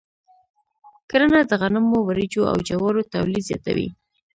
کرنه د غنمو، وريجو، او جوارو تولید زیاتوي.